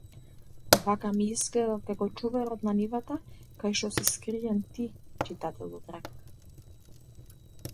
Вака ми излгедат како чуварот на нивата кај шо си скриен ти читателу драг.